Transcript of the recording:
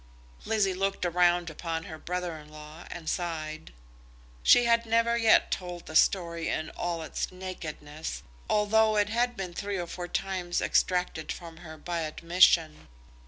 Lizzie looked round upon her brother in law and sighed. She had never yet told the story in all its nakedness, although it had been three or four times extracted from her by admission.